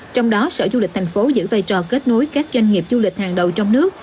trong đó sở du lịch thành phố giữ vai trò kết nối các doanh nghiệp du lịch hàng đầu trong nước